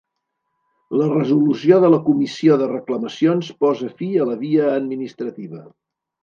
La resolució de la Comissió de Reclamacions posa fi a la via administrativa.